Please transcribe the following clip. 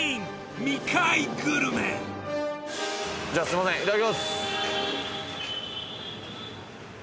じゃあすいませんいただきます。